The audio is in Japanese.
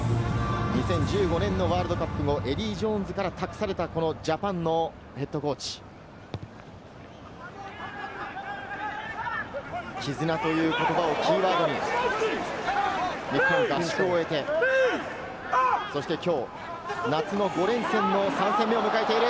２０１５年のワールドカップのエディー・ジョーンズから託されたジャパンのＨＣ、絆という言葉をキーワードに日本合宿を終えて、そしてきょう夏の５連戦の３戦目を迎えている。